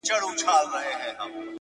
• او په څلوردېرش کلنی کي ,